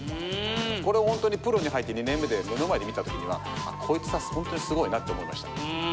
これホントにプロに入って２年目で目の前で見た時にはこいつホントにすごいなって思いました。